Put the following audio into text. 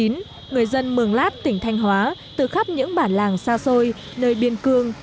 người dân mường lát tỉnh thanh hóa từ khắp những bản làng xa xôi nơi biên cương